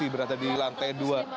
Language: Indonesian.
berarti di lantai dua